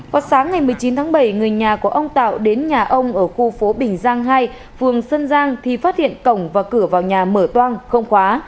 vào sáng ngày một mươi chín tháng bảy người nhà của ông tạo đến nhà ông ở khu phố bình giang hai phường xuân giang thì phát hiện cổng và cửa vào nhà mở toan không khóa